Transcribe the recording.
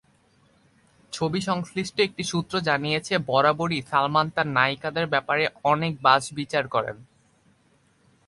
ছবি সংশ্লিষ্ট একটি সূত্র জানিয়েছে, বরাবরই সালমান তাঁর নায়িকাদের ব্যাপারে অনেক বাছবিচার করেন।